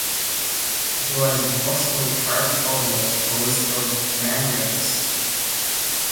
It was possibly part of the forest of Amounderness.